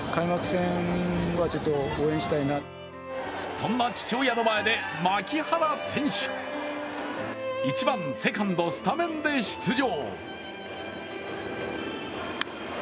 そんな父親の前で牧原選手、１番・セカンド、スタメンで出場。